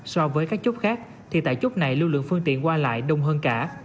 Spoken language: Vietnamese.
so với các chốt khác thì tại chốt này lưu lượng phương tiện qua lại đông hơn cả